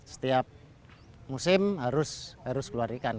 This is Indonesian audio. setiap musim harus keluar ikan